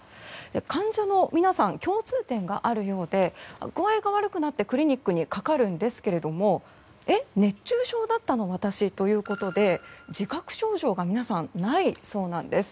患者の皆さん共通点があるようで具合が悪くなってクリニックにかかるんですがえ、熱中症だったの私？ということで自覚症状が皆さん、ないそうなんです。